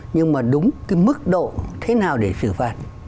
nhưng mà đúng cái mức độ thế nào để xử phạt